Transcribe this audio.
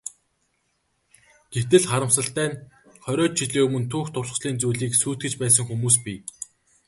Гэтэл, харамсалтай нь хориод жилийн өмнө түүх дурсгалын зүйлийг сүйтгэж байсан хүмүүс бий.